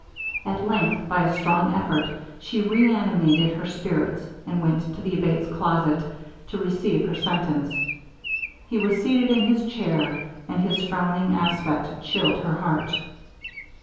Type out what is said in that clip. At length, by a strong effort, she reanimated her spirits, and went to the Abate's closet to receive her sentence. He was seated in his chair, and his frowning aspect chilled her heart.